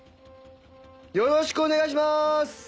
よろしくお願いします。